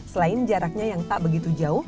selain jaraknya yang tak begitu jauh